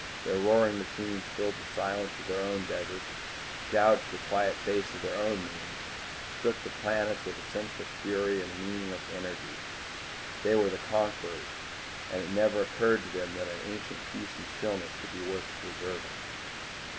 Their roaring machines filled the silence of their own deserts, gouged the quiet face of their own moon, shook the planets with a senseless fury of meaningless energy. They were the conquerors, and it never occurred to them that an ancient peace and stillness could be worth preserving.